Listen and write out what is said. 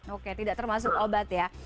oke tidak termasuk obat ya